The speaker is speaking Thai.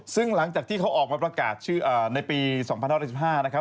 ซึ่งหลังจากที่เขาออกมาประกาศชื่อในปี๒๕๑๕นะครับ